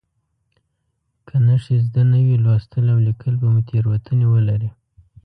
که نښې زده نه وي لوستل او لیکل به مو تېروتنې ولري.